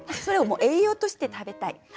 それをもう栄養として食べたい。